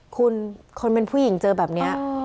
คุณคนเป็นผู้หญิงเจอแบบนี้